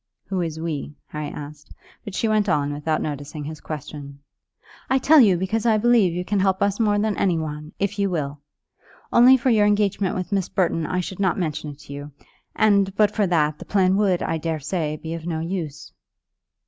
"Who is we?" Harry asked; but she went on without noticing his question. "I tell you, because I believe you can help us more than any one, if you will. Only for your engagement with Miss Burton I should not mention it to you; and, but for that, the plan would, I daresay, be of no use."